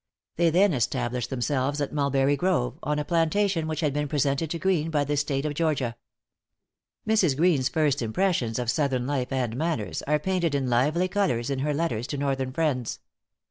They then established themselves at Mulberry Grove, on a plantation which had been presented to Greene by the State of Georgia. Mrs. Greene's first impressions of southern life and manners are painted in lively colors in her letters to northern friends.